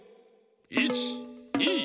１２